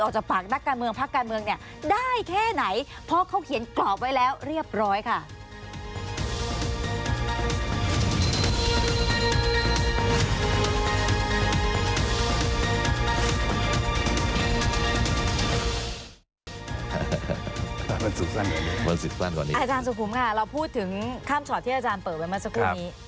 อาจารย์สุขุมค่ะเราพูดถึงข้ามชอตที่อาจารย์เปิดไว้เมื่อสักครู่นี้